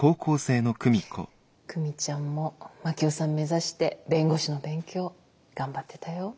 久美ちゃんも真樹夫さん目指して弁護士の勉強頑張ってたよ。